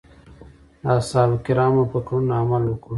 د اصحابو کرامو په کړنو عمل وکړو.